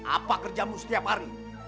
apa kerjamu setiap hari